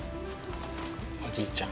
おじいちゃん。